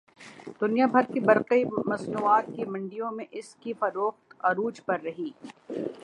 دنیا بھر کی برقی مصنوعات کی منڈیوں میں اس کی فروخت عروج پر رہی